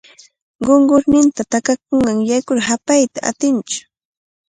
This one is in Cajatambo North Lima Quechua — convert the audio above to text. Qunqurninta takakunqanrayku hapayta atintsu.